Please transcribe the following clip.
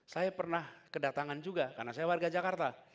saya pernah kedatangan juga karena saya warga jakarta